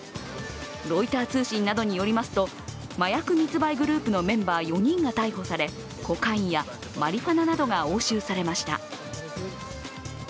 ロイター通信などによりますと麻薬密売グループのメンバー４人が逮捕されコカインやマリファナなどが押収されました。